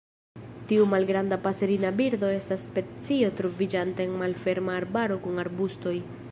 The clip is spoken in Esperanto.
Tiu malgranda paserina birdo estas specio troviĝanta en malferma arbaro kun arbustoj.